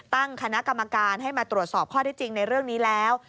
ตั้งคณะกรรมการให้มาตรวจสอบข้อที่จริงในเรื่องนี้แล้ว